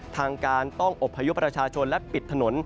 ทางการต้องอบพยพประชาชนและปิดถนน